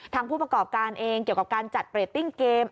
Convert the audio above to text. ผู้ประกอบการเองเกี่ยวกับการจัดเรตติ้งเกม